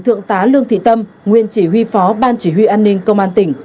thượng tá lương thị tâm nguyên chỉ huy phó ban chỉ huy an ninh công an tỉnh